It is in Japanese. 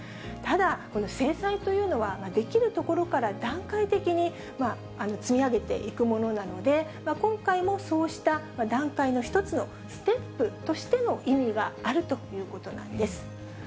ただ、制裁というのは、できるところから段階的に積み上げていくものなので、今回もそうした段階の一つのステップとしての意味はあるということなんです。